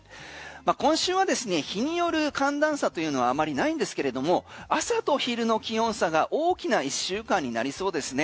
今週はですね日による寒暖差というのはあまりないんですけれども朝と昼の気温差が大きな１週間になりそうですね。